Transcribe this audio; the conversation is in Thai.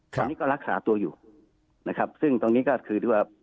ตอนนี้ก็รักษาตัวอยู่นะครับซึ่งตรงนี้ก็คือเรียกว่า